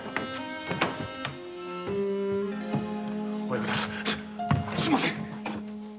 親方すいません。